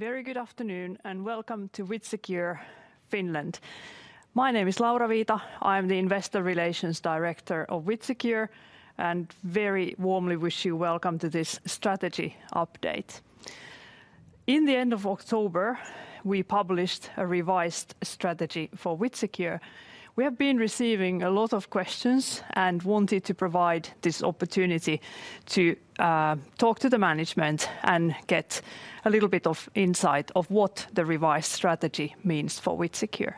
Very good afternoon, and welcome to WithSecure Finland. My name is Laura Viita. I'm the Investor Relations Director of WithSecure, and very warmly wish you welcome to this strategy update. In the end of October, we published a revised strategy for WithSecure. We have been receiving a lot of questions and wanted to provide this opportunity to talk to the management and get a little bit of insight of what the revised strategy means for WithSecure.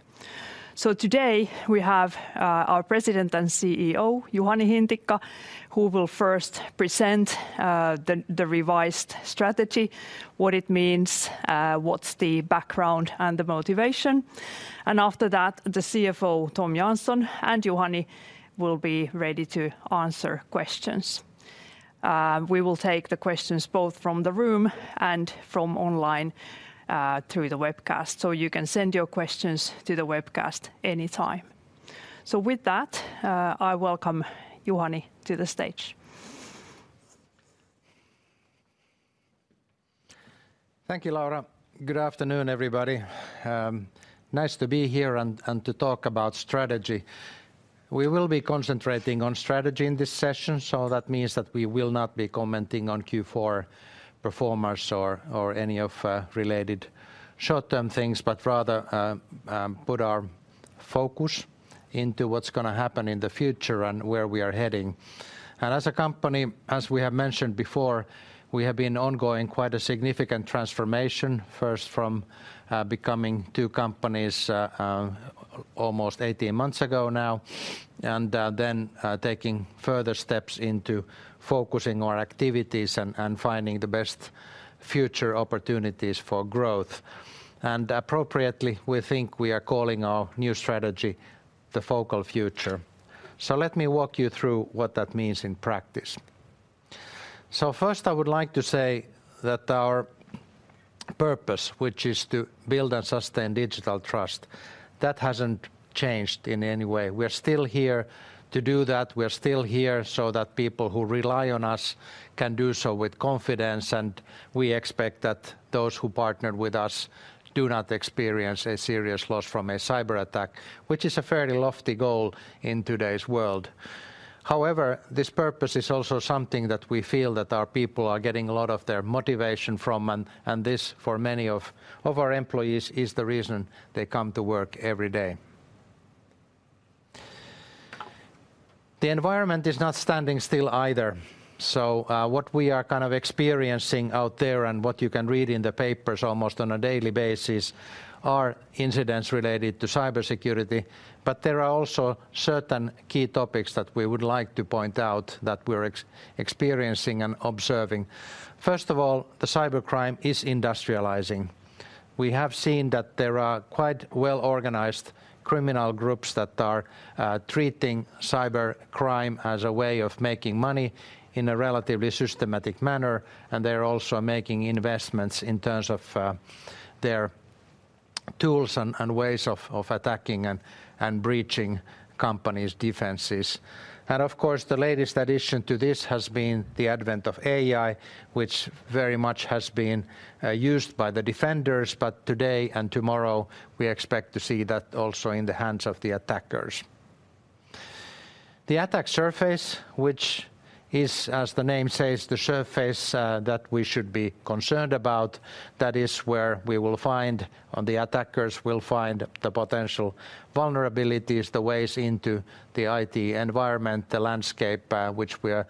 So today, we have our president and CEO Juhani Hintikka, who will first present the revised strategy, what it means, what's the background and the motivation. And after that, the CFO, Tom Jansson, and Juhani will be ready to answer questions. We will take the questions both from the room and from online through the webcast. So you can send your questions to the webcast anytime. With that, I welcome Juhani to the stage. Thank you, Laura. Good afternoon, everybody. Nice to be here and to talk about strategy. We will be concentrating on strategy in this session, so that means that we will not be commenting on Q4 performance or any of related short-term things, but rather put our focus into what's gonna happen in the future and where we are heading. As a company, as we have mentioned before, we have been ongoing quite a significant transformation, first from becoming two companies almost 18 months ago now, and then taking further steps into focusing our activities and finding the best future opportunities for growth. And appropriately, we think we are calling our new strategy the Focal Future. So let me walk you through what that means in practice. So first, I would like to say that our purpose, which is to build and sustain digital trust, that hasn't changed in any way. We're still here to do that. We're still here so that people who rely on us can do so with confidence, and we expect that those who partner with us do not experience a serious loss from a cyberattack, which is a fairly lofty goal in today's world. However, this purpose is also something that we feel that our people are getting a lot of their motivation from, and this, for many of our employees, is the reason they come to work every day. The environment is not standing still either. So, what we are kind of experiencing out there and what you can read in the papers almost on a daily basis are incidents related to cybersecurity, but there are also certain key topics that we would like to point out that we're experiencing and observing. First of all, the cybercrime is industrializing. We have seen that there are quite well-organized criminal groups that are treating cybercrime as a way of making money in a relatively systematic manner, and they're also making investments in terms of their tools and ways of attacking and breaching companies' defenses. And of course, the latest addition to this has been the advent of AI, which very much has been used by the defenders, but today and tomorrow, we expect to see that also in the hands of the attackers. The attack surface, which is, as the name says, the surface that we should be concerned about, that is where the attackers will find the potential vulnerabilities, the ways into the IT environment, the landscape which we are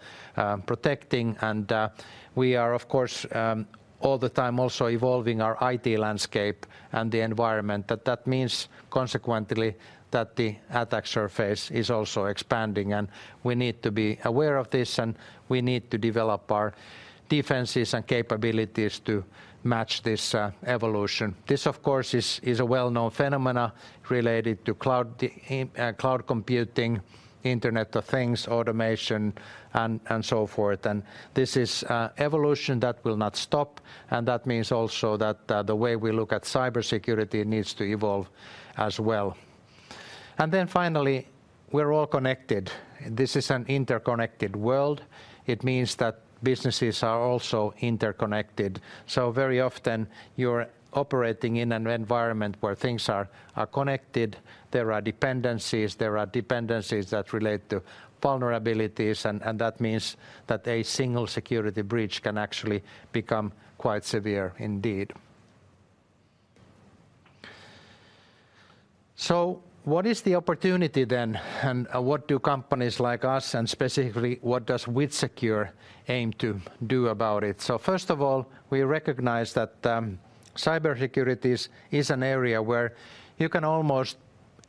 protecting. We are, of course, all the time also evolving our IT landscape and the environment. That means, consequently, that the attack surface is also expanding, and we need to be aware of this, and we need to develop our defenses and capabilities to match this evolution. This, of course, is a well-known phenomenon related to the cloud computing, Internet of Things, automation, and so forth. This is an evolution that will not stop, and that means also that the way we look at cybersecurity needs to evolve as well. Then finally, we're all connected. This is an interconnected world. It means that businesses are also interconnected. So very often, you're operating in an environment where things are connected. There are dependencies. There are dependencies that relate to vulnerabilities, and that means that a single security breach can actually become quite severe indeed. So what is the opportunity then, and what do companies like us, and specifically, what does WithSecure aim to do about it? So first of all, we recognize that cybersecurity is an area where you can almost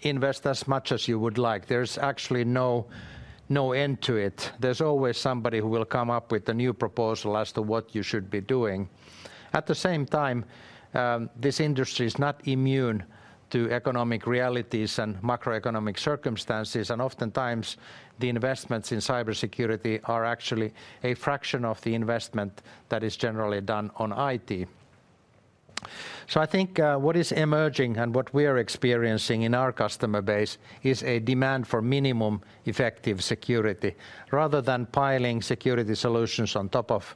invest as much as you would like. There's actually no end to it. There's always somebody who will come up with a new proposal as to what you should be doing. At the same time, this industry is not immune to economic realities and macroeconomic circumstances, and oftentimes, the investments in cybersecurity are actually a fraction of the investment that is generally done on IT. So I think what is emerging and what we are experiencing in our customer base is a demand for minimum effective security. Rather than piling security solutions on top of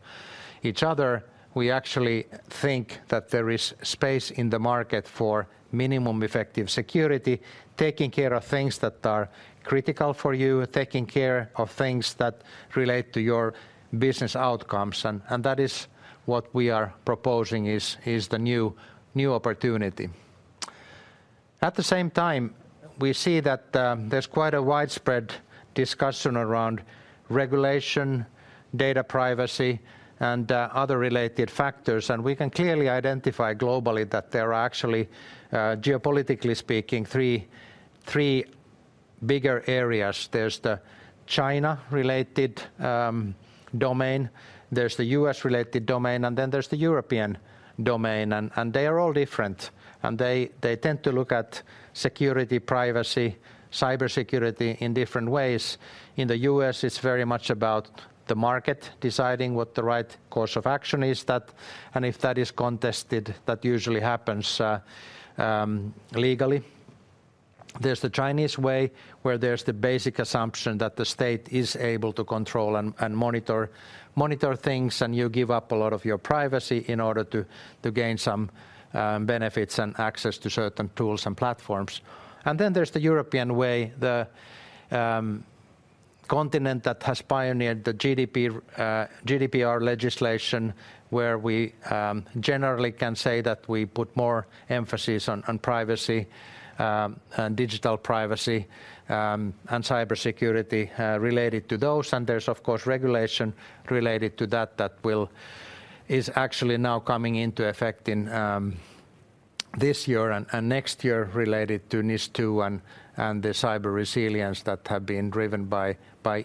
each other, we actually think that there is space in the market for minimum effective security, taking care of things that are critical for you, taking care of things that relate to your business outcomes, and that is what we are proposing is the new opportunity. At the same time, we see that there's quite a widespread discussion around regulation, data privacy, and other related factors. We can clearly identify globally that there are actually, geopolitically speaking, three bigger areas. There's the China-related domain, there's the U.S.-related domain, and then there's the European domain, and they are all different, and they tend to look at security, privacy, cybersecurity in different ways. In the U.S., it's very much about the market deciding what the right course of action is, that and if that is contested, that usually happens legally. There's the Chinese way, where there's the basic assumption that the state is able to control and monitor things, and you give up a lot of your privacy in order to gain some benefits and access to certain tools and platforms. And then there's the European way, the continent that has pioneered the GDPR legislation, where we generally can say that we put more emphasis on privacy and digital privacy and cybersecurity related to those. And there's, of course, regulation related to that is actually now coming into effect in this year and next year, related to NIS2 and the cyber resilience that have been driven by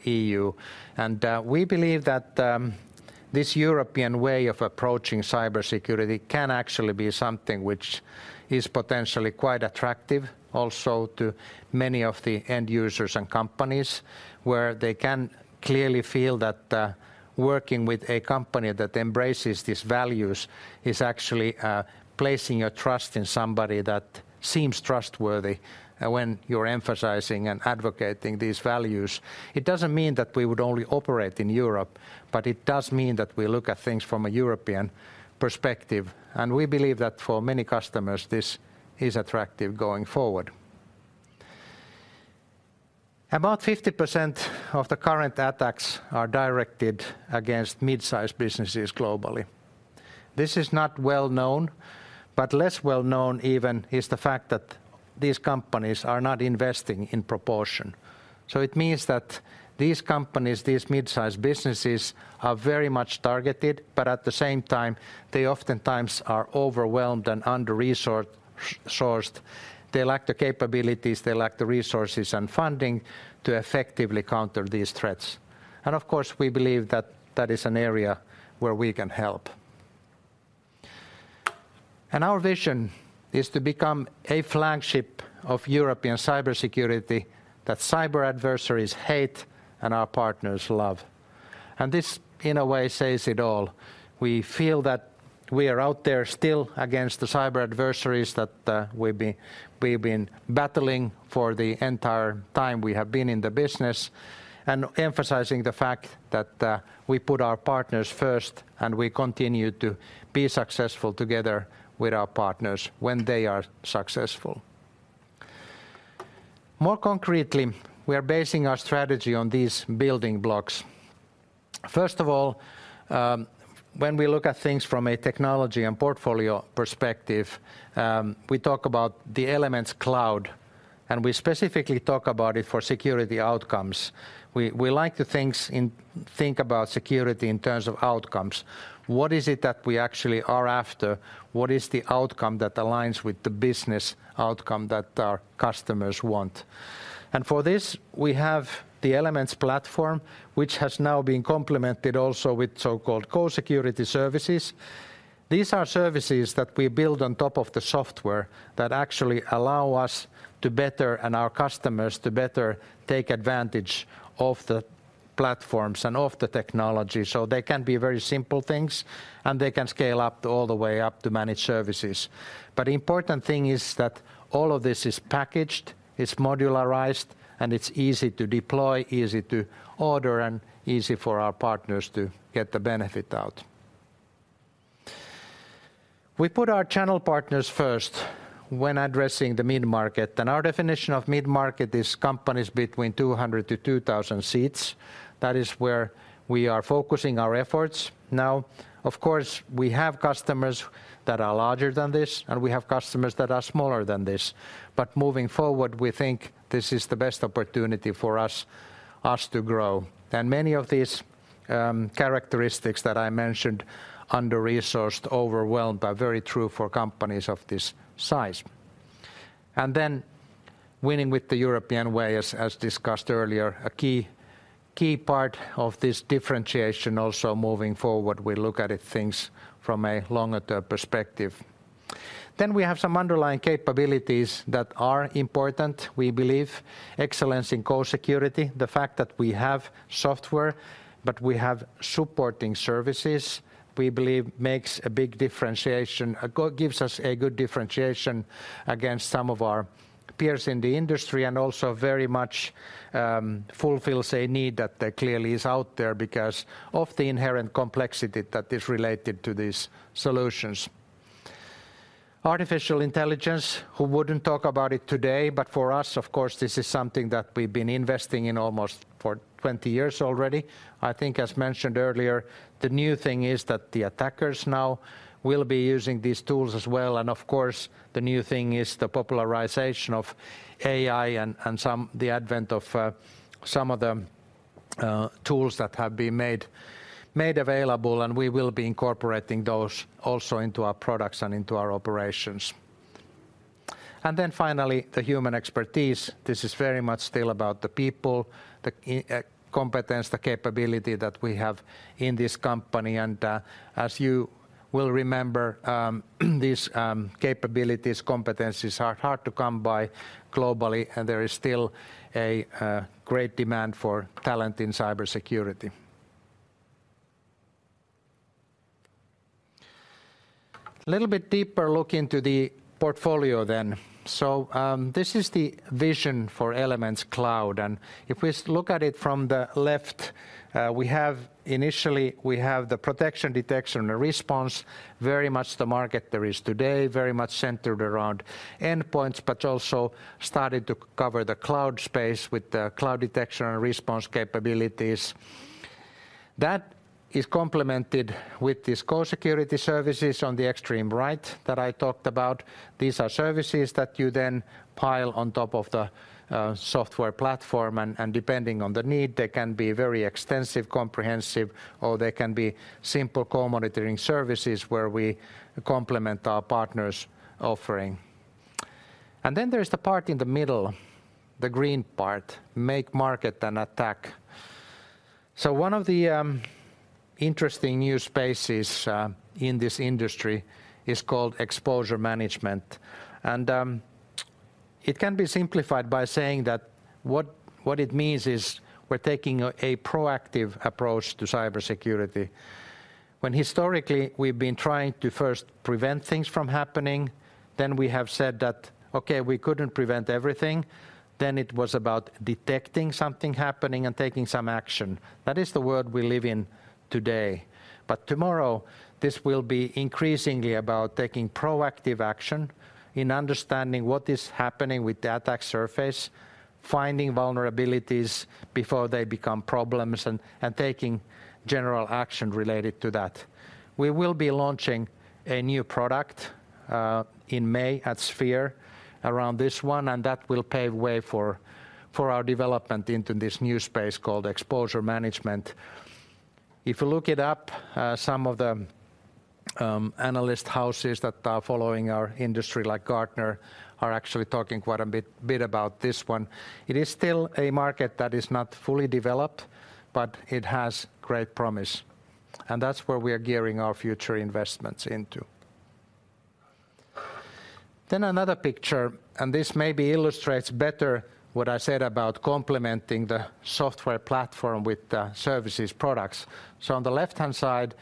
EU. And we believe that this European way of approaching cybersecurity can actually be something which is potentially quite attractive also to many of the end users and companies, where they can clearly feel that working with a company that embraces these values is actually placing a trust in somebody that seems trustworthy when you're emphasizing and advocating these values. It doesn't mean that we would only operate in Europe, but it does mean that we look at things from a European perspective, and we believe that for many customers, this is attractive going forward. About 50% of the current attacks are directed against mid-sized businesses globally. This is not well known, but less well known even is the fact that these companies are not investing in proportion. So it means that these companies, these mid-sized businesses, are very much targeted, but at the same time, they oftentimes are overwhelmed and under-resourced. They lack the capabilities, they lack the resources and funding to effectively counter these threats. And of course, we believe that that is an area where we can help. And our vision is to become a flagship of European cybersecurity that cyber adversaries hate and our partners love. And this, in a way, says it all. We feel that we are out there still against the cyber adversaries that we've been battling for the entire time we have been in the business, and emphasizing the fact that we put our partners first, and we continue to be successful together with our partners when they are successful. More concretely, we are basing our strategy on these building blocks. First of all, when we look at things from a technology and portfolio perspective, we talk about the Elements Cloud, and we specifically talk about it for security outcomes. We like to think about security in terms of outcomes. What is it that we actually are after? What is the outcome that aligns with the business outcome that our customers want? And for this, we have the Elements platform, which has now been complemented also with so-called Co-Security services. These are services that we build on top of the software that actually allow us to better, and our customers, to better take advantage of the platforms and of the technology. So they can be very simple things, and they can scale up to all the way up to Managed Services. But important thing is that all of this is packaged, it's modularized, and it's easy to deploy, easy to order, and easy for our partners to get the benefit out. We put our channel partners first when addressing the Mid-Market, and our definition of Mid-Market is companies between 200 seats-2,000 seats. That is where we are focusing our efforts now. Of course, we have customers that are larger than this, and we have customers that are smaller than this, but moving forward, we think this is the best opportunity for us to grow. Many of these characteristics that I mentioned, under-resourced, overwhelmed, are very true for companies of this size. And then winning with the European way, as, as discussed earlier, a key, key part of this differentiation also moving forward, we look at it things from a longer-term perspective. Then we have some underlying capabilities that are important, we believe. Excellence in Co-Security, the fact that we have software, but we have supporting services, we believe makes a big differentiation, gives us a good differentiation against some of our peers in the industry, and also very much fulfills a need that clearly is out there because of the inherent complexity that is related to these solutions. Artificial intelligence, who wouldn't talk about it today? But for us, of course, this is something that we've been investing in almost for 20 years already. I think, as mentioned earlier, the new thing is that the attackers now will be using these tools as well, and of course, the new thing is the popularization of AI and some, the advent of some of the tools that have been made available, and we will be incorporating those also into our products and into our operations. And then finally, the human expertise. This is very much still about the people, the competence, the capability that we have in this company. And as you will remember, these capabilities, competencies are hard to come by globally, and there is still a great demand for talent in cybersecurity. Little bit deeper look into the portfolio then. So, this is the vision for Elements Cloud, and if we look at it from the left, we have initially the protection, detection, and response, very much the market there is today, very much centered around endpoints, but also starting to cover the cloud space with the cloud detection and response capabilities. That is complemented with these Co-Security services on the extreme right that I talked about. These are services that you then pile on top of the software platform, and depending on the need, they can be very extensive, comprehensive, or they can be simple co-monitoring services where we complement our partners' offering. And then there's the part in the middle, the green part, map, mark it, and attack. So one of the interesting new spaces in this industry is called Exposure Management. It can be simplified by saying that what, what it means is we're taking a, a proactive approach to cybersecurity. When historically, we've been trying to first prevent things from happening, then we have said that, "Okay, we couldn't prevent everything," then it was about detecting something happening and taking some action. That is the world we live in today. But tomorrow, this will be increasingly about taking proactive action in understanding what is happening with the Attack Surface, finding vulnerabilities before they become problems, and, and taking general action related to that. We will be launching a new product in May at Sphere around this one, and that will pave way for, for our development into this new space called Exposure Management. If you look it up, some of the analyst houses that are following our industry, like Gartner, are actually talking quite a bit about this one. It is still a market that is not fully developed, but it has great promise, and that's where we are gearing our future investments into. Then another picture, and this maybe illustrates better what I said about complementing the software platform with the services products. So on the left-hand side,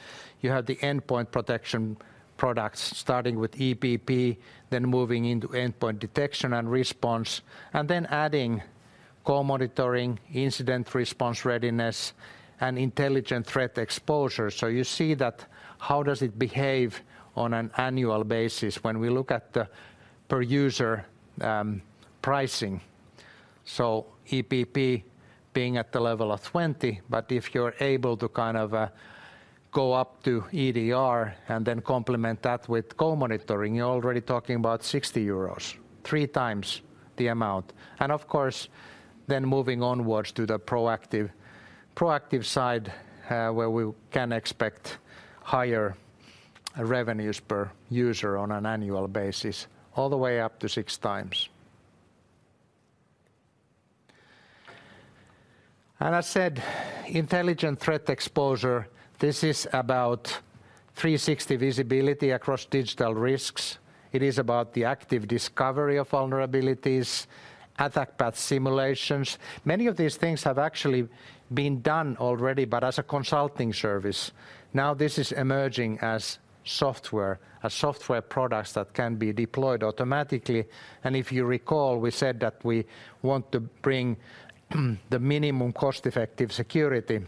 you have the endpoint protection products, starting with EPP, then moving into endpoint detection and response, and then adding co-monitoring, incident response readiness, and intelligent threat exposure. So you see that how does it behave on an annual basis when we look at the per user pricing? So EPP being at the level of 20, but if you're able to kind of go up to EDR and then complement that with co-monitoring, you're already talking about 60 euros, 3x the amount. And of course, then moving onwards to the proactive, proactive side, where we can expect higher revenues per user on an annual basis, all the way up to 6x. And I said, intelligent threat exposure, this is about 360 visibility across digital risks. It is about the active discovery of vulnerabilities, attack path simulations. Many of these things have actually been done already, but as a consulting service. Now, this is emerging as software, a software products that can be deployed automatically. And if you recall, we said that we want to bring the minimum cost-effective security.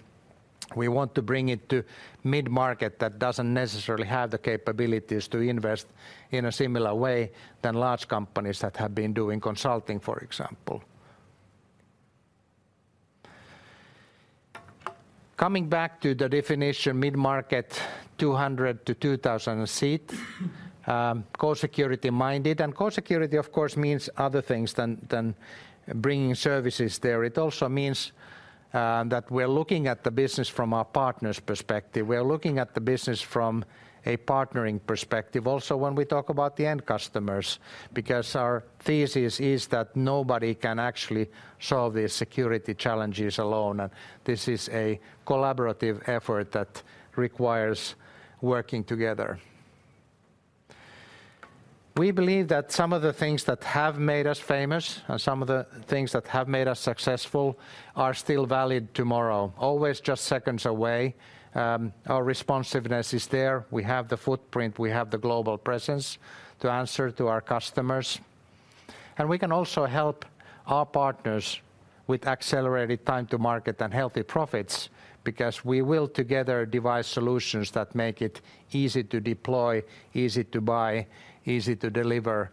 We want to bring it to mid-market that doesn't necessarily have the capabilities to invest in a similar way than large companies that have been doing consulting, for example. Coming back to the definition, mid-market, 200 seat-2,000-seat, co-security minded, and co-security of course, means other things than bringing services there. It also means that we're looking at the business from our partner's perspective. We're looking at the business from a partnering perspective, also, when we talk about the end customers, because our thesis is that nobody can actually solve the security challenges alone, and this is a collaborative effort that requires working together.... We believe that some of the things that have made us famous, and some of the things that have made us successful, are still valid tomorrow, always just seconds away. Our responsiveness is there. We have the footprint, we have the global presence to answer to our customers. We can also help our partners with accelerated time to market and healthy profits, because we will together devise solutions that make it easy to deploy, easy to buy, easy to deliver,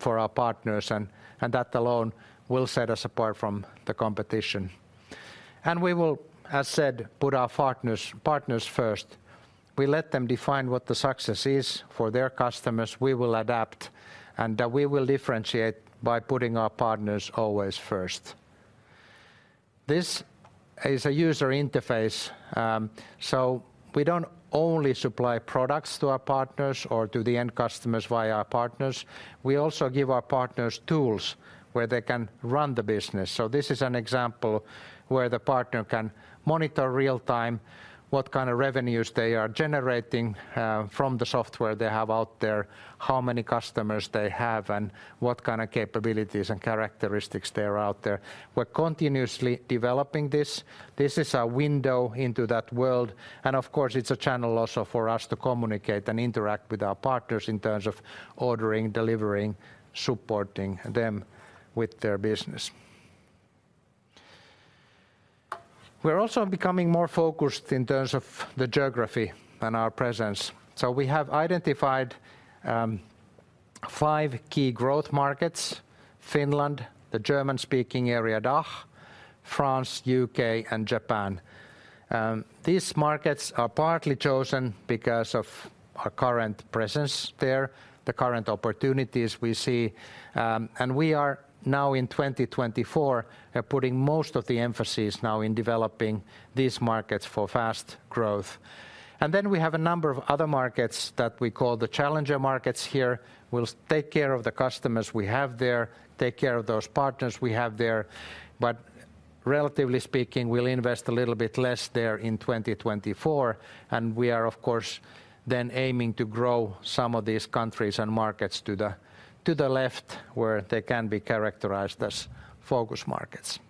for our partners, and that alone will set us apart from the competition. We will, as said, put our partners, partners first. We let them define what the success is for their customers. We will adapt, and we will differentiate by putting our partners always first. This is a user interface. So we don't only supply products to our partners or to the end customers via our partners, we also give our partners tools where they can run the business. So this is an example where the partner can monitor real-time what kind of revenues they are generating, from the software they have out there, how many customers they have, and what kind of capabilities and characteristics they are out there. We're continuously developing this. This is a window into that world, and of course, it's a channel also for us to communicate and interact with our partners in terms of ordering, delivering, supporting them with their business. We're also becoming more focused in terms of the geography and our presence. So we have identified, five key growth markets: Finland, the German-speaking area, DACH, France, U.K., and Japan. These markets are partly chosen because of our current presence there, the current opportunities we see, and we are now in 2024, putting most of the emphasis now in developing these markets for fast growth. Then we have a number of other markets that we call the challenger markets here. We'll take care of the customers we have there, take care of those partners we have there, but relatively speaking, we'll invest a little bit less there in 2024, and we are, of course, then aiming to grow some of these countries and markets to the, to the left, where they can be characterized as focus markets.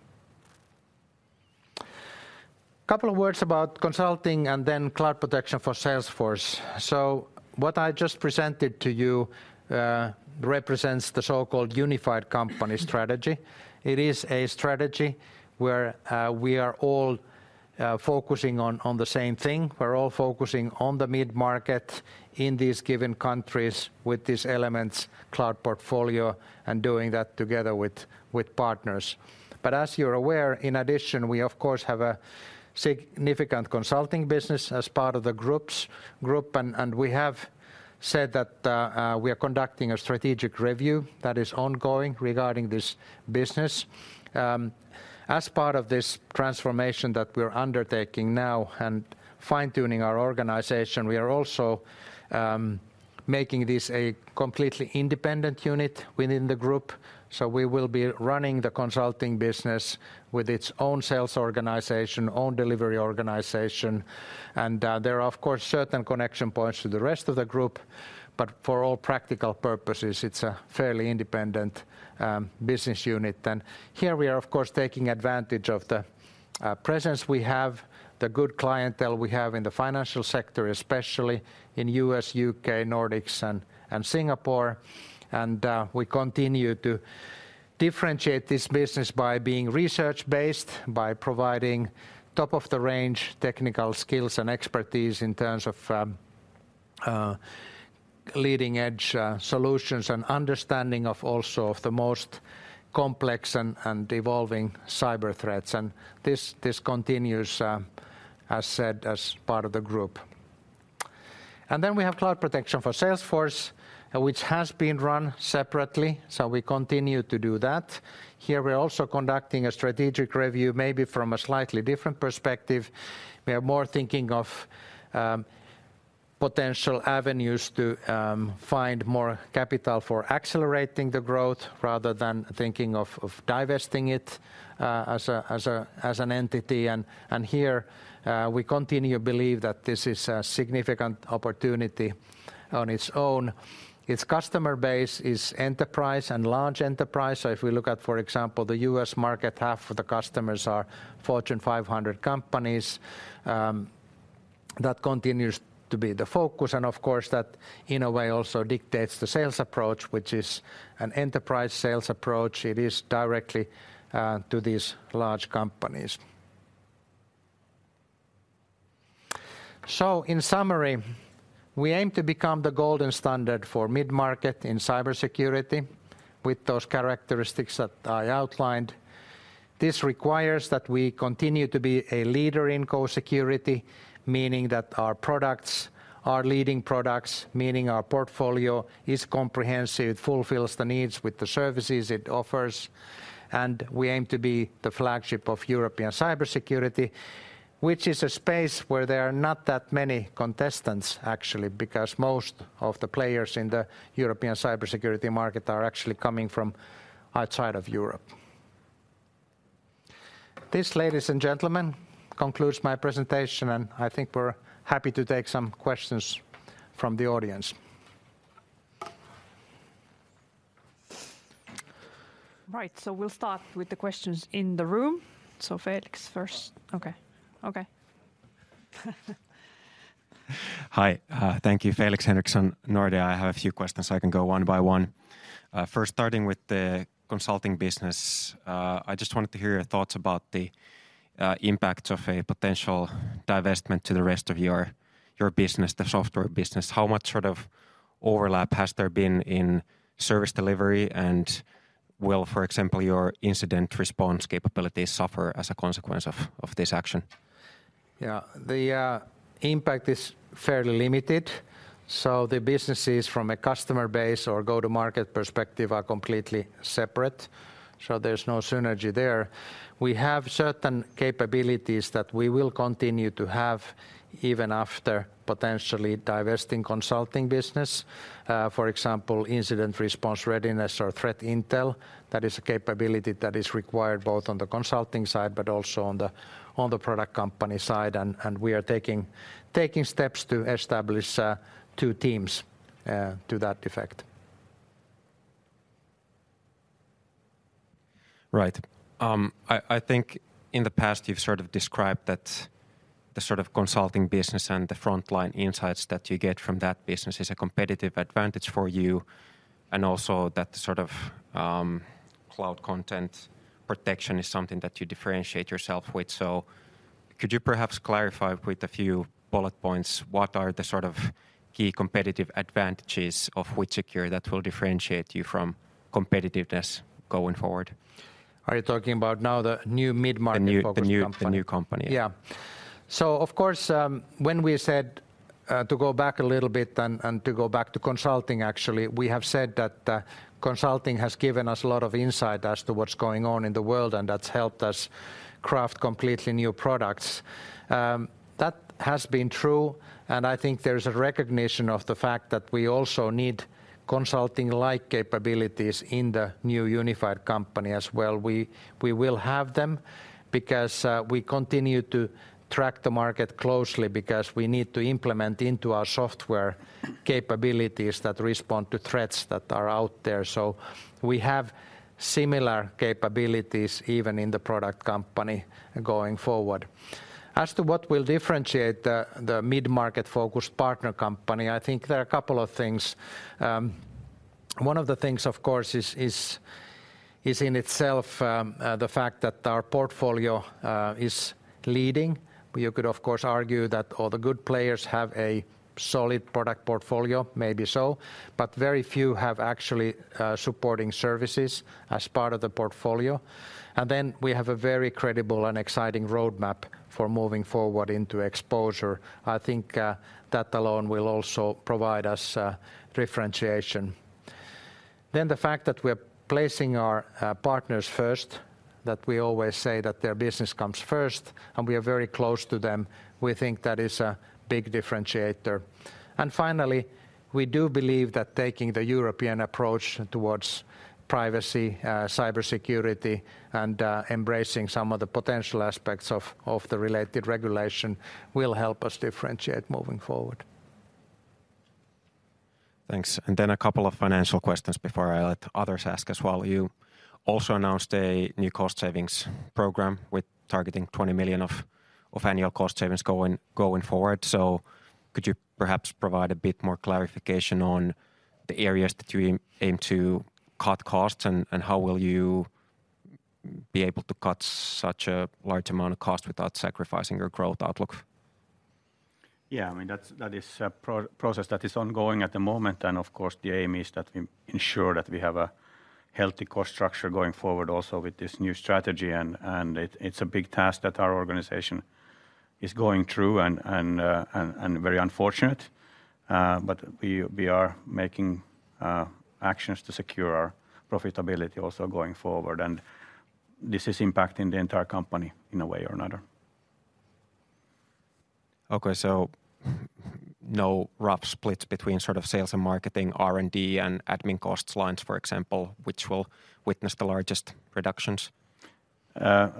Couple of words about consulting and then Cloud Protection for Salesforce. So what I just presented to you represents the so-called unified company strategy. It is a strategy where we are all focusing on, on the same thing. We're all focusing on the mid-market in these given countries with these Elements Cloud portfolio, and doing that together with, with partners. But as you're aware, in addition, we of course have a significant consulting business as part of the group, and we have said that we are conducting a strategic review that is ongoing regarding this business. As part of this transformation that we're undertaking now and fine-tuning our organization, we are also making this a completely independent unit within the group. So we will be running the consulting business with its own sales organization, own delivery organization, and there are of course certain connection points to the rest of the group, but for all practical purposes, it's a fairly independent business unit. And here we are, of course, taking advantage of the presence we have, the good clientele we have in the financial sector, especially in U.S., U.K., Nordics, and Singapore. We continue to differentiate this business by being research-based, by providing top-of-the-range technical skills and expertise in terms of leading-edge solutions and understanding of also of the most complex and evolving cyber threats. This continues, as said, as part of the group. Then we have Cloud Protection for Salesforce, which has been run separately, so we continue to do that. Here, we're also conducting a strategic review, maybe from a slightly different perspective. We are more thinking of potential avenues to find more capital for accelerating the growth rather than thinking of divesting it as an entity. Here, we continue to believe that this is a significant opportunity on its own. Its customer base is enterprise and large enterprise. So if we look at, for example, the U.S. market, half of the customers are Fortune 500 companies. That continues to be the focus, and of course, that in a way, also dictates the sales approach, which is an enterprise sales approach. It is directly to these large companies. So in summary, we aim to become the golden standard for Mid-Market in cybersecurity with those characteristics that I outlined. This requires that we continue to be a leader in Co-Security, meaning that our products are leading products, meaning our portfolio is comprehensive, it fulfills the needs with the services it offers, and we aim to be the flagship of European cybersecurity, which is a space where there are not that many contestants, actually, because most of the players in the European cybersecurity market are actually coming from outside of Europe. This, ladies and gentlemen, concludes my presentation, and I think we're happy to take some questions from the audience. Right. So we'll start with the questions in the room. So Felix first. Okay. Okay. Hi, thank you. Felix Henriksson, Nordea. I have a few questions. I can go one by one. First starting with the consulting business, I just wanted to hear your thoughts about the impact of a potential divestment to the rest of your business, the software business. How much sort of overlap has there been in service delivery, and will, for example, your incident response capabilities suffer as a consequence of this action? Yeah. The impact is fairly limited, so the businesses from a customer base or go-to-market perspective are completely separate, so there's no synergy there. We have certain capabilities that we will continue to have even after potentially divesting consulting business. For example, incident response readiness or threat intel, that is a capability that is required both on the consulting side, but also on the product company side, and we are taking steps to establish two teams to that effect. Right. I think in the past you've sort of described that the sort of consulting business and the frontline insights that you get from that business is a competitive advantage for you, and also that sort of cloud content protection is something that you differentiate yourself with. So could you perhaps clarify with a few bullet points, what are the sort of key competitive advantages of WithSecure that will differentiate you from competitiveness going forward? Are you talking about now the new Mid-Market focused company? The new company. Yeah. So of course, when we said to go back a little bit and to go back to consulting, actually, we have said that consulting has given us a lot of insight as to what's going on in the world, and that's helped us craft completely new products. That has been true, and I think there's a recognition of the fact that we also need consulting-like capabilities in the new unified company as well. We will have them because we continue to track the market closely because we need to implement into our software capabilities that respond to threats that are out there. So we have similar capabilities even in the product company going forward. As to what will differentiate the Mid-Market-focused partner company, I think there are a couple of things. One of the things, of course, is in itself the fact that our portfolio is leading. You could, of course, argue that all the good players have a solid product portfolio, maybe so, but very few have actually supporting services as part of the portfolio. And then we have a very credible and exciting roadmap for moving forward into exposure. I think that alone will also provide us differentiation. Then the fact that we're placing our partners first, that we always say that their business comes first, and we are very close to them, we think that is a big differentiator. And finally, we do believe that taking the European approach towards privacy, cybersecurity, and embracing some of the potential aspects of the related regulation will help us differentiate moving forward. Thanks. Then a couple of financial questions before I let others ask as well. You also announced a new cost savings program with targeting 20 million of annual cost savings going forward. So could you perhaps provide a bit more clarification on the areas that you aim to cut costs, and how will you be able to cut such a large amount of cost without sacrificing your growth outlook? Yeah, I mean, that is a process that is ongoing at the moment, and of course, the aim is that we ensure that we have a healthy cost structure going forward also with this new strategy, and it is a big task that our organization is going through and very unfortunate. But we are making actions to secure our profitability also going forward, and this is impacting the entire company in a way or another. Okay, so no rough splits between sort of sales and marketing, R&D, and admin cost lines, for example, which will witness the largest reductions?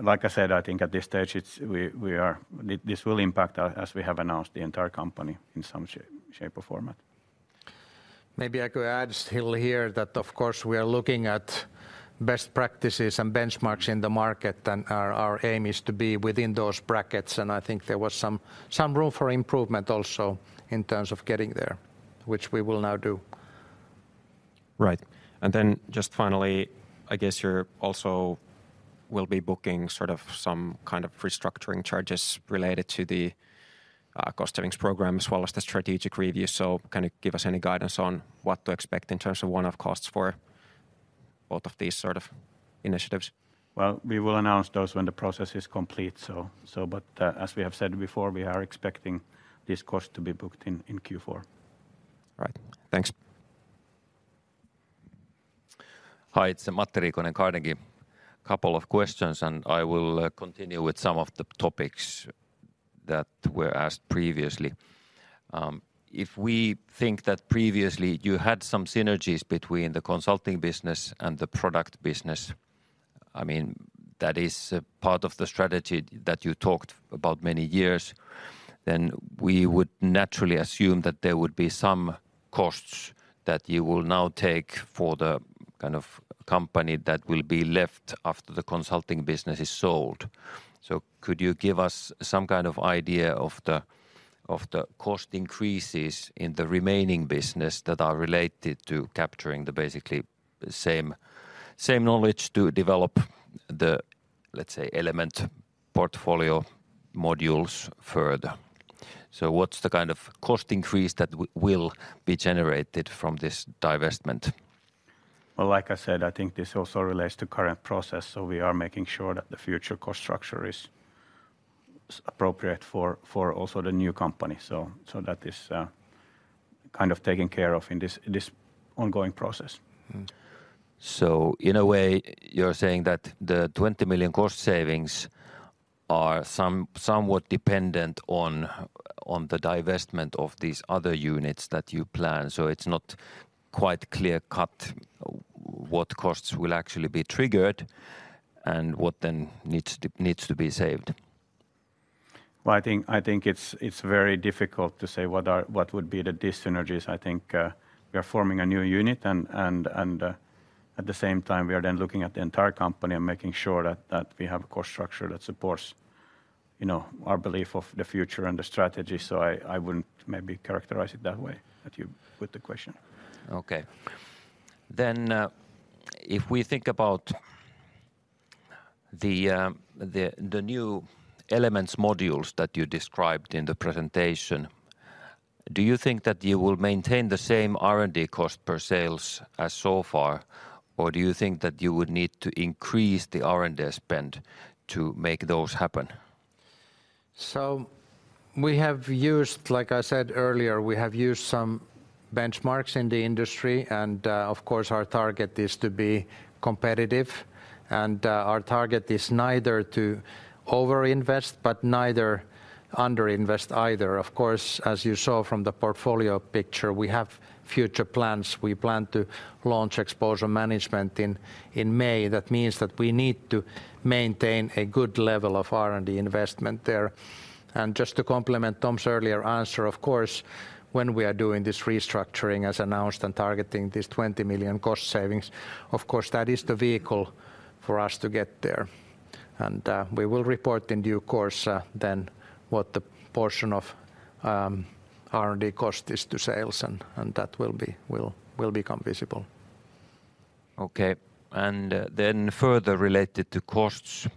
Like I said, I think at this stage, it's we are... This will impact, as we have announced, the entire company in some shape or format. Maybe I could add still here that, of course, we are looking at best practices and benchmarks in the market, and our aim is to be within those brackets, and I think there was some room for improvement also in terms of getting there, which we will now do. Right. And then just finally, I guess you're also will be booking sort of some kind of restructuring charges related to the cost savings program, as well as the strategic review. So can you give us any guidance on what to expect in terms of one-off costs for both of these sort of initiatives? Well, we will announce those when the process is complete, so... But, as we have said before, we are expecting this cost to be booked in Q4. Right. Thanks. Hi, it's Matti Riikonen, Carnegie. Couple of questions, and I will continue with some of the topics that were asked previously. If we think that previously you had some synergies between the consulting business and the product business, I mean, that is a part of the strategy that you talked about many years, then we would naturally assume that there would be some costs that you will now take for the kind of company that will be left after the consulting business is sold. So could you give us some kind of idea of the cost increases in the remaining business that are related to capturing the basically same, same knowledge to develop the, let's say, Elements portfolio modules further? So what's the kind of cost increase that will be generated from this divestment? Well, like I said, I think this also relates to current process, so we are making sure that the future cost structure is appropriate for also the new company. So that is kind of taken care of in this ongoing process. Mm-hmm. So in a way, you're saying that the 20 million cost savings are somewhat dependent on the divestment of these other units that you plan, so it's not quite clear-cut what costs will actually be triggered and what then needs to be saved? Well, I think it's very difficult to say what... what would be the dis-synergies. I think we are forming a new unit, and at the same time, we are then looking at the entire company and making sure that we have a cost structure that supports, you know, our belief of the future and the strategy. So I wouldn't maybe characterize it that way, that you put the question. Okay. Then, if we think about the new elements modules that you described in the presentation, do you think that you will maintain the same R&D cost per sales as so far? Or do you think that you would need to increase the R&D spend to make those happen? So we have used, like I said earlier, we have used some benchmarks in the industry, and, of course, our target is to be competitive. And, our target is neither to over-invest, but neither under-invest either. Of course, as you saw from the portfolio picture, we have future plans. We plan to launch Exposure Management in May. That means that we need to maintain a good level of R&D investment there. And just to complement Tom's earlier answer, of course, when we are doing this restructuring as announced and targeting this 20 million cost savings, of course, that is the vehicle for us to get there. And, we will report in due course, then what the portion of R&D cost is to sales, and that will become visible. Okay. And then further related to costs,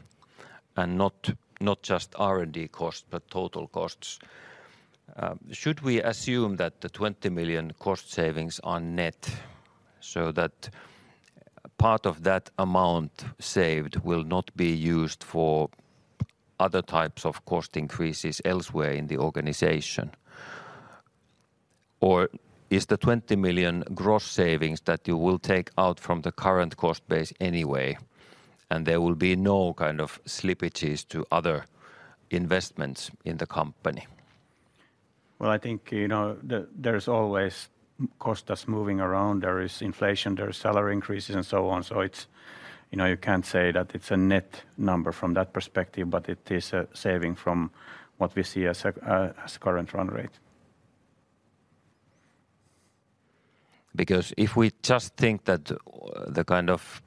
and not, not just R&D costs, but total costs, should we assume that the 20 million cost savings are net, so that part of that amount saved will not be used for other types of cost increases elsewhere in the organization? Or is the 20 million gross savings that you will take out from the current cost base anyway, and there will be no kind of slippages to other investments in the company? Well, I think, you know, there's always costs that's moving around. There is inflation, there is salary increases, and so on. So it's, you know, you can't say that it's a net number from that perspective, but it is a saving from what we see as a, as current run rate. Because if we just think that the kind of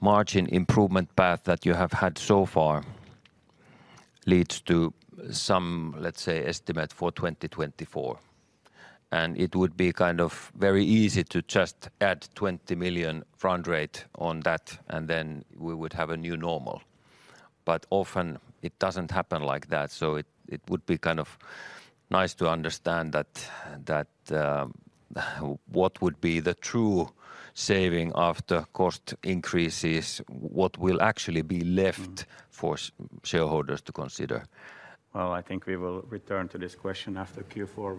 margin improvement path that you have had so far leads to some, let's say, estimate for 2024, and it would be kind of very easy to just add 20 million run rate on that, and then we would have a new normal. But often it doesn't happen like that, so it would be kind of nice to understand that what would be the true saving after cost increases? What will actually be left- Mm... for shareholders to consider? Well, I think we will return to this question after Q4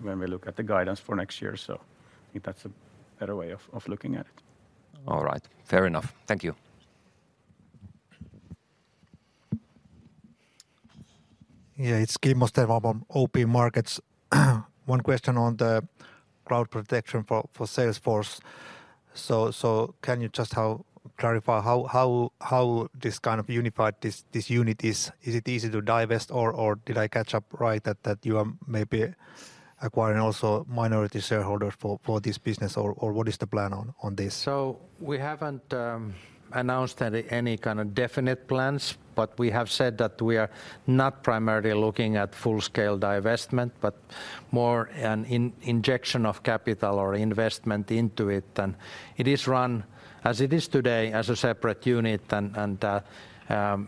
when we look at the guidance for next year. I think that's a better way of looking at it. All right. Fair enough. Thank you. Yeah, it's Kimmo Stier from OP Markets. One question on the Cloud Protection for Salesforce. So can you just clarify how this kind of unified unit is? Is it easy to divest, or did I catch it right that you are maybe acquiring also minority shareholders for this business, or what is the plan on this? So we haven't announced any kind of definite plans, but we have said that we are not primarily looking at full-scale divestment, but more an injection of capital or investment into it. And it is run as it is today as a separate unit, and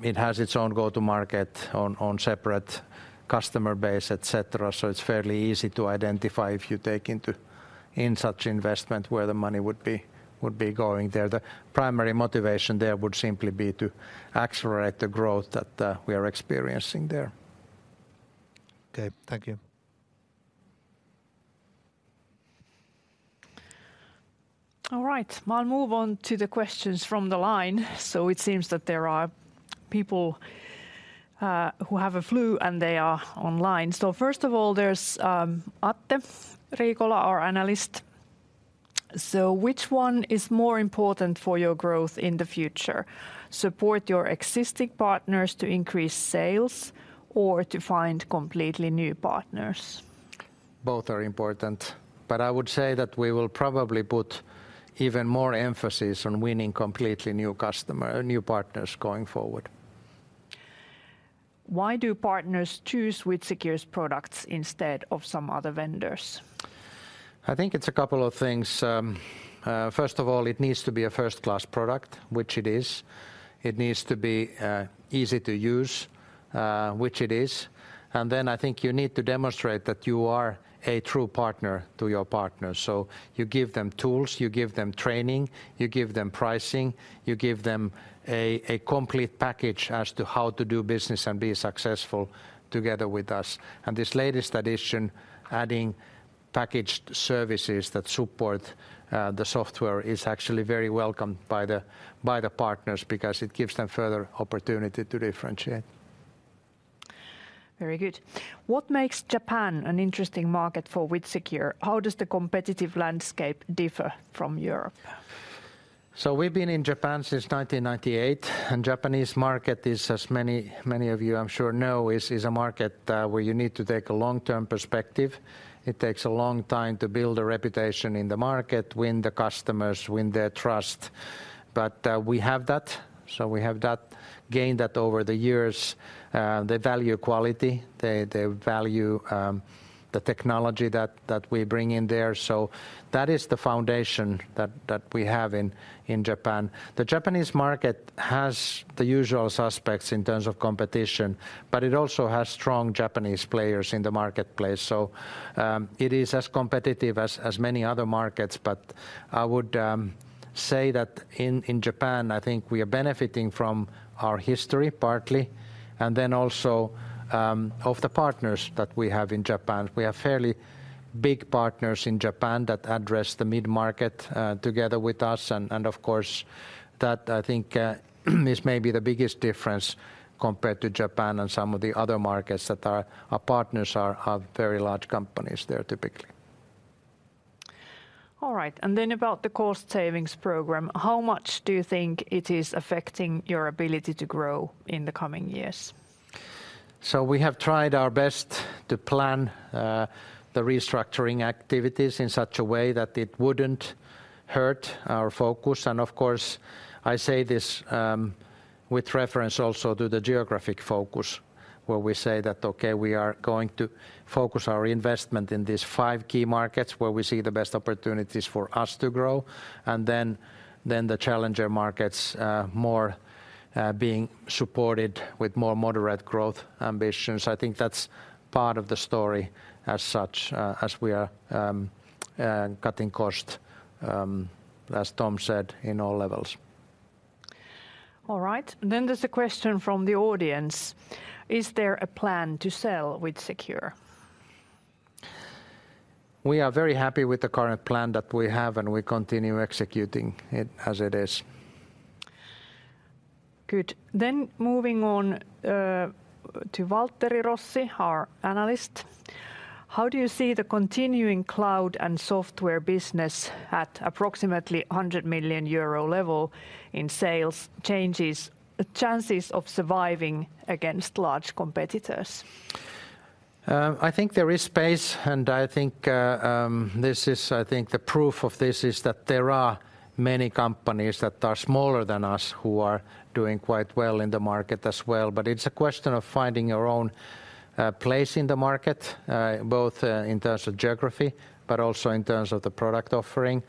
it has its own go-to market, own separate customer base, et cetera. So it's fairly easy to identify if you take into such investment, where the money would be going there. The primary motivation there would simply be to accelerate the growth that we are experiencing there. Okay. Thank you. All right, I'll move on to the questions from the line. So it seems that there are people who have a flu, and they are online. So first of all, there's Atte Riikola, our analyst: "So which one is more important for your growth in the future, support your existing partners to increase sales or to find completely new partners? Both are important, but I would say that we will probably put even more emphasis on winning completely new customer- new partners going forward. Why do partners choose WithSecure's products instead of some other vendors? I think it's a couple of things. First of all, it needs to be a first-class product, which it is. It needs to be easy to use, which it is. And then I think you need to demonstrate that you are a true partner to your partner. So you give them tools, you give them training, you give them pricing, you give them a complete package as to how to do business and be successful together with us. And this latest addition, adding packaged services that support the software, is actually very welcomed by the partners because it gives them further opportunity to differentiate. Very good. "What makes Japan an interesting market for WithSecure? How does the competitive landscape differ from Europe? So we've been in Japan since 1998, and Japanese market is, as many of you I'm sure know, a market where you need to take a long-term perspective. It takes a long time to build a reputation in the market, win the customers, win their trust, but we have that. So we have that, gained that over the years. They value quality. They value the technology that we bring in there, so that is the foundation that we have in Japan. The Japanese market has the usual suspects in terms of competition, but it also has strong Japanese players in the marketplace, so it is as competitive as many other markets. But I would say that in Japan, I think we are benefiting from our history, partly, and then also of the partners that we have in Japan. We have fairly big partners in Japan that address the Mid-Market together with us, and of course, that I think is maybe the biggest difference compared to Japan and some of the other markets, that our partners have very large companies there typically. All right, and then about the cost savings program: "How much do you think it is affecting your ability to grow in the coming years? So we have tried our best to plan the restructuring activities in such a way that it wouldn't hurt our focus. And of course, I say this with reference also to the geographic focus, where we say that, okay, we are going to focus our investment in these five key markets where we see the best opportunities for us to grow, and then the challenger markets more being supported with more moderate growth ambitions. I think that's part of the story as such, as we are cutting cost, as Tom said, in all levels. All right. Then there's a question from the audience: "Is there a plan to sell WithSecure? We are very happy with the current plan that we have, and we continue executing it as it is. Good. Then moving on, to Valtteri Rossi, our analyst: "How do you see the continuing cloud and software business at approximately 100 million euro level in sales changes- chances of surviving against large competitors? I think there is space, and I think the proof of this is that there are many companies that are smaller than us who are doing quite well in the market as well. But it's a question of finding your own place in the market, both in terms of geography but also in terms of the product offering.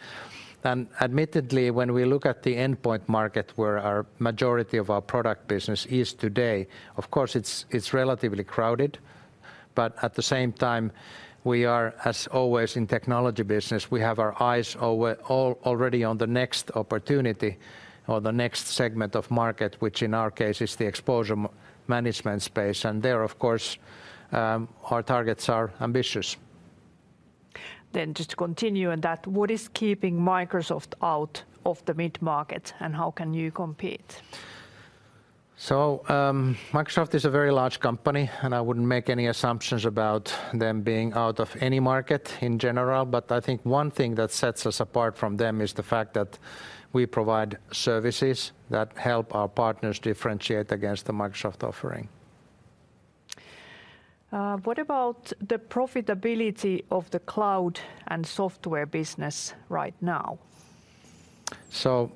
What about the profitability of the cloud and software business right now? So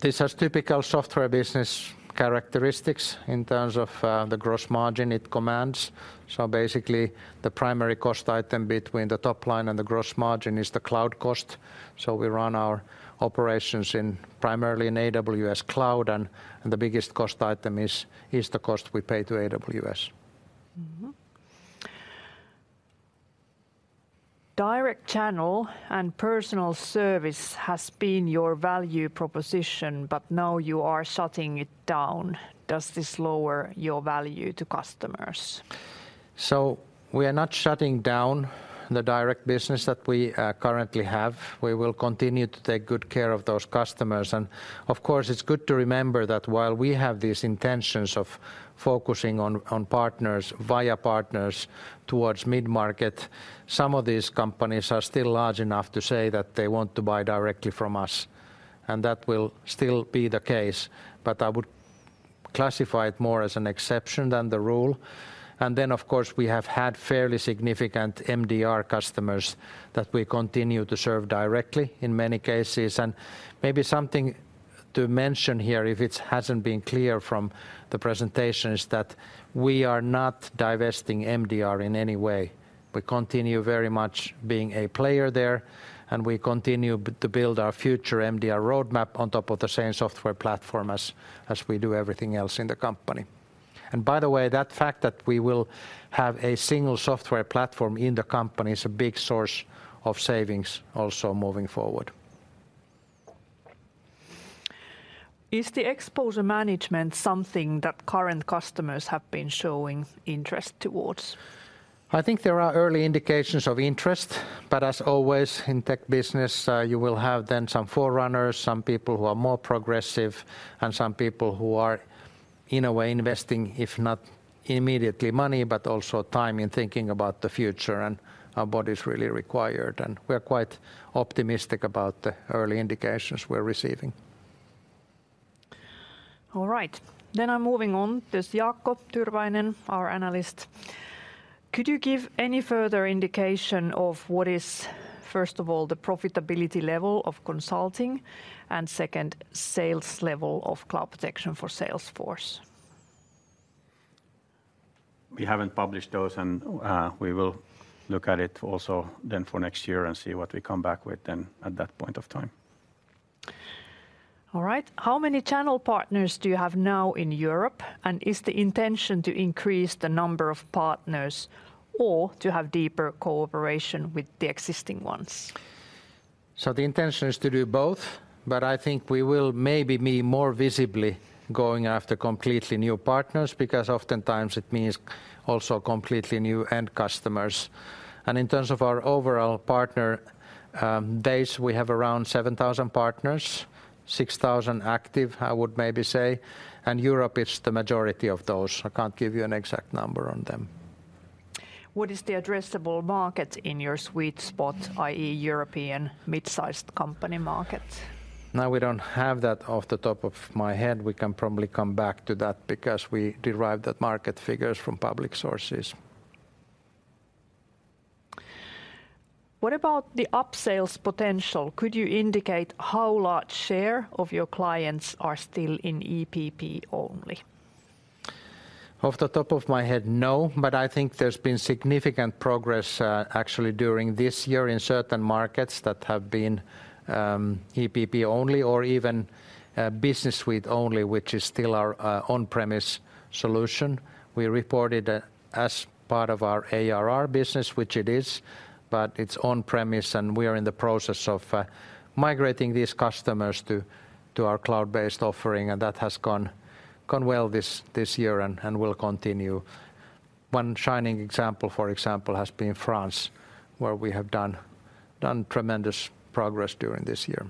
this has typical software business characteristics in terms of the gross margin it commands. So basically, the primary cost item between the top line and the gross margin is the cloud cost, so we run our operations primarily in AWS Cloud and the biggest cost item is the cost we pay to AWS. Mm-hmm. "Direct channel and personal service has been your value proposition, but now you are shutting it down. Does this lower your value to customers? So we are not shutting down the direct business that we currently have. We will continue to take good care of those customers. And of course, it's good to remember that while we have these intentions of focusing on, on partners, via partners towards Mid-Market, some of these companies are still large enough to say that they want to buy directly from us, and that will still be the case. But I would classify it more as an exception than the rule. And then, of course, we have had fairly significant MDR customers that we continue to serve directly in many cases. And maybe something to mention here, if it hasn't been clear from the presentation, is that we are not divesting MDR in any way. We continue very much being a player there, and we continue to build our future MDR roadmap on top of the same software platform as, as we do everything else in the company. And by the way, that fact that we will have a single software platform in the company is a big source of savings also moving forward. Is the exposure management something that current customers have been showing interest towards? I think there are early indications of interest, but as always, in tech business, you will have then some forerunners, some people who are more progressive, and some people who are, in a way, investing, if not immediately money, but also time in thinking about the future and what is really required. We're quite optimistic about the early indications we're receiving. All right. Then I'm moving on. There's Jaakko Tyrväinen, our analyst. Could you give any further indication of what is, first of all, the profitability level of consulting, and second, sales level of Cloud Protection for Salesforce? We haven't published those, and we will look at it also then for next year and see what we come back with then at that point of time. All right. How many channel partners do you have now in Europe? And is the intention to increase the number of partners or to have deeper cooperation with the existing ones? The intention is to do both, but I think we will maybe be more visibly going after completely new partners, because oftentimes it means also completely new end customers. In terms of our overall partner base, we have around 7,000 partners, 6,000 active, I would maybe say, and Europe is the majority of those. I can't give you an exact number on them. What is the addressable market in your sweet spot, i.e., European mid-sized company market? Now, we don't have that off the top of my head. We can probably come back to that because we derive the market figures from public sources. What about the upsales potential? Could you indicate how large share of your clients are still in EPP only? Off the top of my head, no, but I think there's been significant progress, actually, during this year in certain markets that have been, EPP only, or even, Business Suite only, which is still our, on-premise solution. We reported it as part of our ARR business, which it is, but it's on-premise, and we are in the process of, migrating these customers to, our cloud-based offering, and that has gone, well this, year and, will continue. One shining example, for example, has been France, where we have done, tremendous progress during this year.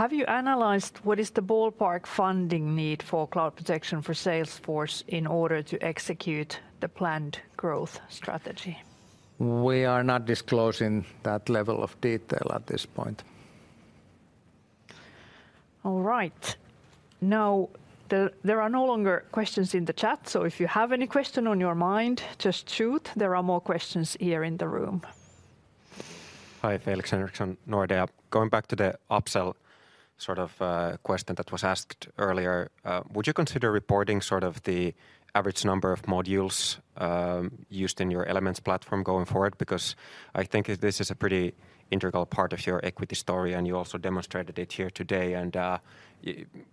Have you analyzed what is the ballpark funding need for Cloud Protection for Salesforce in order to execute the planned growth strategy? We are not disclosing that level of detail at this point. All right. Now, there are no longer questions in the chat, so if you have any question on your mind, just shoot. There are more questions here in the room. Hi, Felix Henriksson, Nordea. Going back to the upsell sort of question that was asked earlier, would you consider reporting sort of the average number of modules used in your Elements platform going forward? Because I think this is a pretty integral part of your equity story, and you also demonstrated it here today. And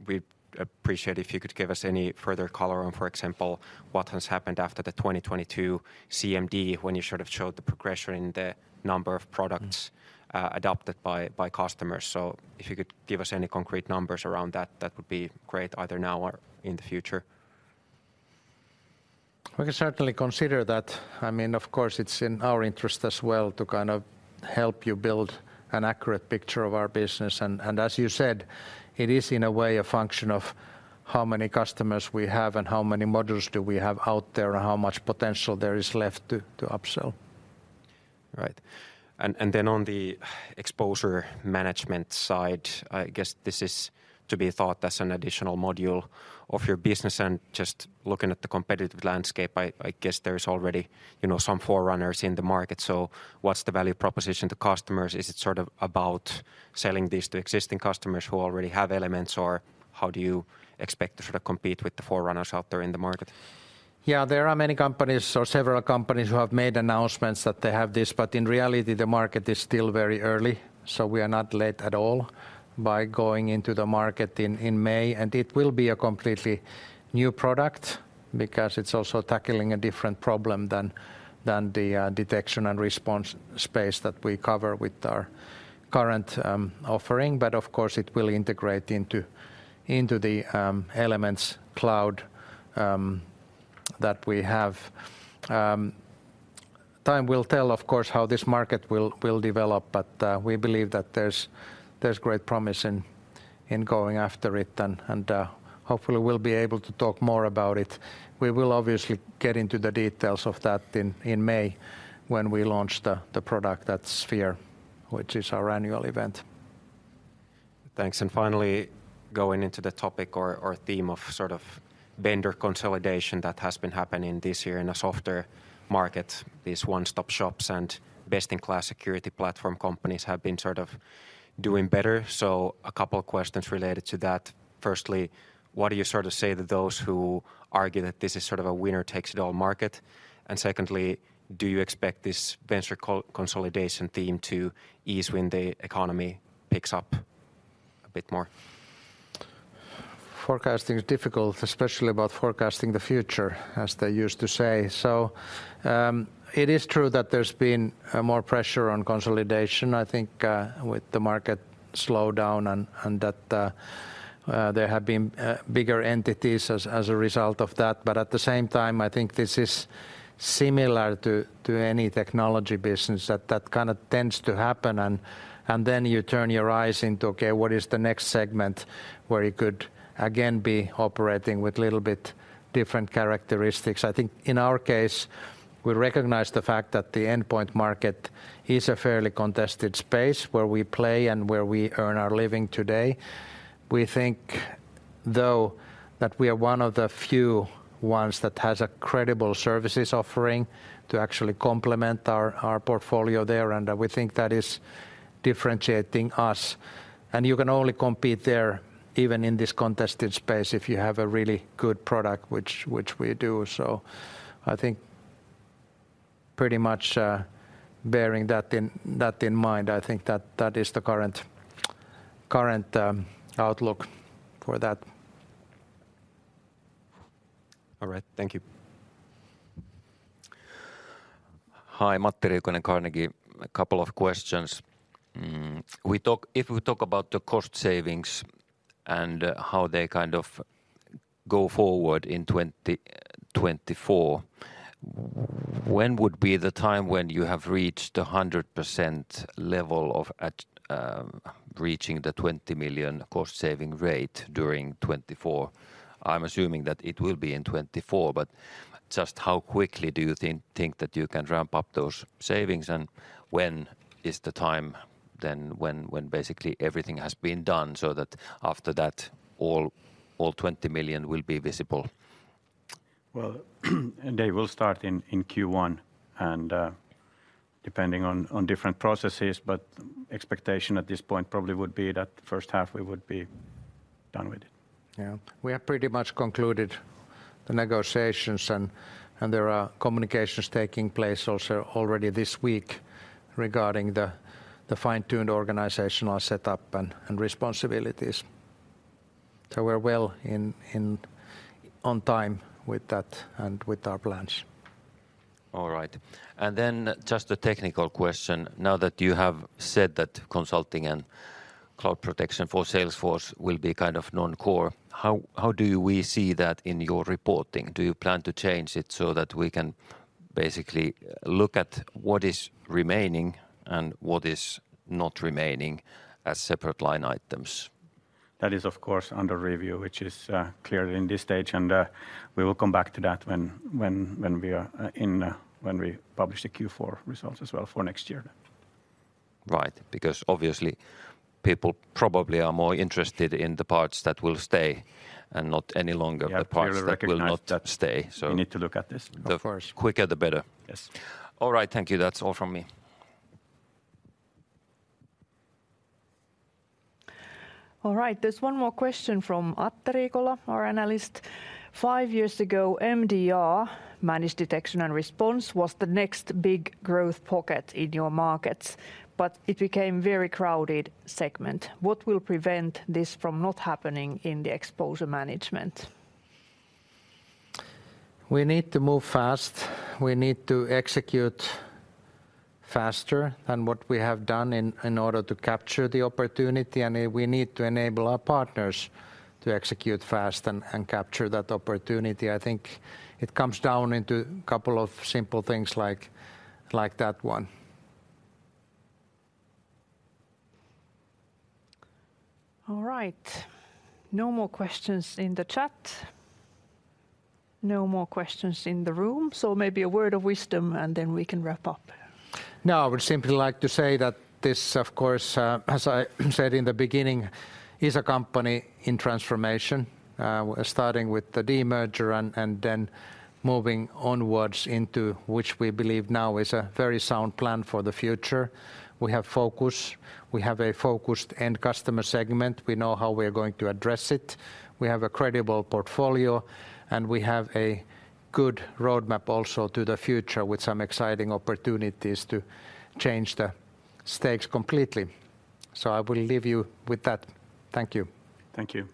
we'd appreciate if you could give us any further color on, for example, what has happened after the 2022 CMD, when you sort of showed the progression in the number of products- Mm-hmm... adopted by customers. So if you could give us any concrete numbers around that, that would be great, either now or in the future. We can certainly consider that. I mean, of course, it's in our interest as well to kind of help you build an accurate picture of our business. And as you said, it is, in a way, a function of how many customers we have and how many modules do we have out there, and how much potential there is left to upsell. Right. And then on the exposure management side, I guess this is to be thought as an additional module of your business. And just looking at the competitive landscape, I guess there's already, you know, some forerunners in the market. So what's the value proposition to customers? Is it sort of about selling this to existing customers who already have Elements, or how do you expect to sort of compete with the forerunners out there in the market? Yeah, there are many companies or several companies who have made announcements that they have this, but in reality, the market is still very early, so we are not late at all by going into the market in May. It will be a completely new product because it's also tackling a different problem than the detection and response space that we cover with our current offering. But of course, it will integrate into the Elements Cloud that we have. Time will tell, of course, how this market will develop, but we believe that there's great promise in going after it. And hopefully we'll be able to talk more about it. We will obviously get into the details of that in May, when we launch the product at Sphere, which is our annual event. Thanks. And finally, going into the topic or theme of sort of vendor consolidation that has been happening this year in the software market, these one-stop shops and best-in-class security platform companies have been sort of doing better, so a couple of questions related to that. Firstly, what do you sort of say to those who argue that this is sort of a winner-takes-it-all market? And secondly, do you expect this vendor consolidation theme to ease when the economy picks up a bit more? Forecasting is difficult, especially about forecasting the future, as they used to say. It is true that there's been more pressure on consolidation, I think, with the market slowdown, and that there have been bigger entities as a result of that. But at the same time, I think this is similar to any technology business, that kind of tends to happen, and then you turn your eyes into, okay, what is the next segment where you could again be operating with a little bit different characteristics? I think in our case, we recognize the fact that the endpoint market is a fairly contested space where we play and where we earn our living today. We think, though, that we are one of the few ones that has a credible services offering to actually complement our portfolio there, and we think that is differentiating us. And you can only compete there, even in this contested space, if you have a really good product, which we do. So I think pretty much bearing that in mind, I think that that is the current outlook for that. All right. Thank you. Hi, Matti Riikonen, Carnegie. A couple of questions. If we talk about the cost savings and how they kind of go forward in 2024, when would be the time when you have reached a 100% level of reaching the 20 million cost saving rate during 2024? I'm assuming that it will be in 2024, but just how quickly do you think that you can ramp up those savings, and when is the time then when basically everything has been done, so that after that, all twenty million will be visible? Well, they will start in Q1, and depending on different processes, but expectation at this point probably would be that the first half we would be done with it. Yeah. We have pretty much concluded the negotiations, and there are communications taking place also already this week regarding the fine-tuned organizational setup and responsibilities. So we're well on time with that and with our plans. All right. And then just a technical question. Now that you have said that consulting and Cloud Protection for Salesforce will be kind of non-core, how do we see that in your reporting? Do you plan to change it so that we can basically look at what is remaining and what is not remaining as separate line items? That is, of course, under review, which is clear in this stage, and we will come back to that when we publish the Q4 results as well for next year. Right, because obviously, people probably are more interested in the parts that will stay and not any longer- Yeah, we recognize that- The parts that will not stay, so We need to look at this of course. The quicker, the better. Yes. All right. Thank you. That's all from me. All right, there's one more question from Atte Riikola, our analyst: Five years ago, MDR, Managed Detection and Response, was the next big growth pocket in your markets, but it became a very crowded segment. What will prevent this from not happening in Exposure Management? We need to move fast. We need to execute faster than what we have done in order to capture the opportunity, and we need to enable our partners to execute fast and capture that opportunity. I think it comes down into a couple of simple things like that one. All right. No more questions in the chat. No more questions in the room. So maybe a word of wisdom, and then we can wrap up. No, I would simply like to say that this, of course, as I said in the beginning, is a company in transformation, starting with the demerger and, and then moving onwards into which we believe now is a very sound plan for the future. We have focus. We have a focused end customer segment. We know how we are going to address it. We have a credible portfolio, and we have a good roadmap also to the future, with some exciting opportunities to change the stakes completely. So I will leave you with that. Thank you. Thank you.